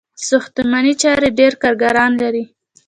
ساختماني چارې ډیر کارګران لري.